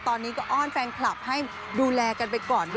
ตอนนี้ก็อ้อนแฟนคลับให้ดูแลกันไปก่อน